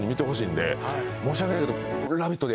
申し訳ないけど。